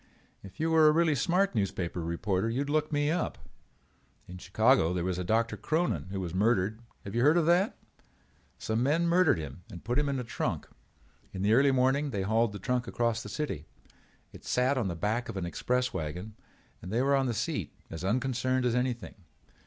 If you were a really smart newspaper reporter you would look me up. In Chicago there was a Doctor Cronin who was murdered. Have you heard of that? Some men murdered him and put him in a trunk. In the early morning they hauled the trunk across the city. It sat on the back of an express wagon and they were on the seat as unconcerned as anything.